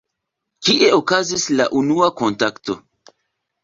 Kie okazis la unua kontakto?